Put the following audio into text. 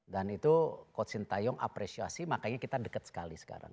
dan itu coach sinta yong apresiasi makanya kita dekat sekali sekarang